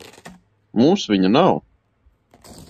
Mums viņa nav.